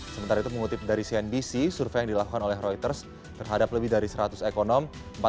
sementara itu mengutip dari cnbc survei yang dilakukan oleh reuters terhadap lebih dari seratus ekonom